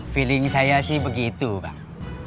feeling saya sih begitu bang